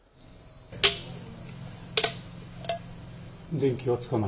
電気がつかない。